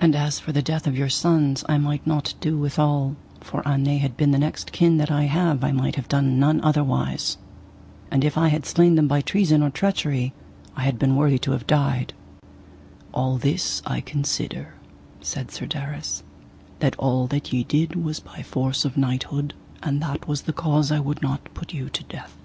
And as for the death of your sons I might not do withal, for an they had been the next kin that I have I might have done none otherwise. And if I had slain them by treason or treachery I had been worthy to have died. All this I consider, said Sir Darras, that all that ye did was by force of knighthood, and that was the cause I would not put you to death.